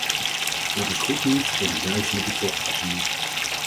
Dat is goed nieuws voor de duizenden betrokken gezinnen!